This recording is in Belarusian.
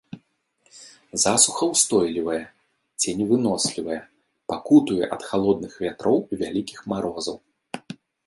Засухаўстойлівая, ценевынослівая, пакутуе ад халодных вятроў і вялікіх марозаў.